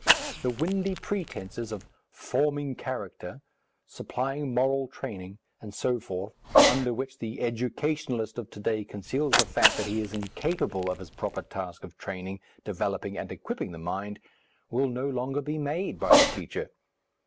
The windy pretences of "forming character," supplying moral training, and so forth, under which the educationalist of to day conceals the fact that he is incapable of his proper task of training, developing and equipping the mind, will no longer be made by the teacher.